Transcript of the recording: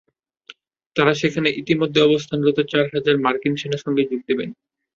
তাঁরা সেখানে ইতিমধ্যে অবস্থানরত চার হাজার মার্কিন সেনার সঙ্গে যোগ দেবেন।